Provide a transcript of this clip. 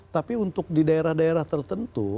tapi untuk di daerah daerah tertentu